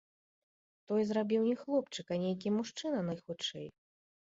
Тое зрабіў не хлопчык, а нейкі мужчына, найхутчэй.